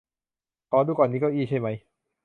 ขอดูก่อน นี่เก้าอี้ใช่มั้ย